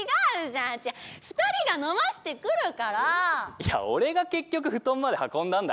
いや俺が結局布団まで運んだんだからね？